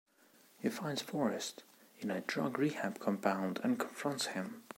He finds Forrest in a drug rehab compound and confronts him.